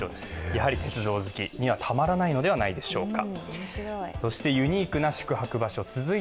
やはり鉄道好きには、たまらないのではないでしょうか。